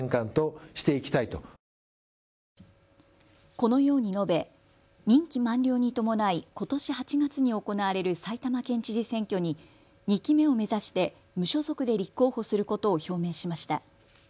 このように述べ任期満了に伴いことし８月に行われる埼玉県知事選挙に２期目を目指して無所属で立候補することを表明しました。